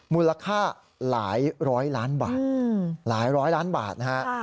มูลค่าหลายร้อยล้านบาท